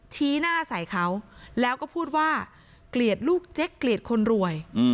ชี้หน้าใส่เขาแล้วก็พูดว่าเกลียดลูกเจ๊กเกลียดคนรวย